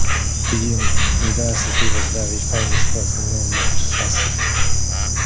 This university was very famous for its Nyaya Shastra.